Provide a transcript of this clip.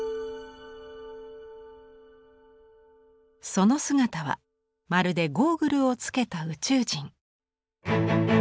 その姿はまるでゴーグルをつけた宇宙人。